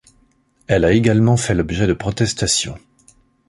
Elle a également fait l’objet de protestations.